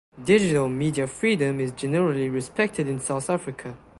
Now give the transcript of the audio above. Digital media freedom is generally respected in South Africa.